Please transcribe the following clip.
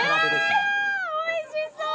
うわおいしそう！